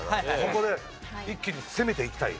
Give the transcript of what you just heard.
ここで一気に攻めていきたい。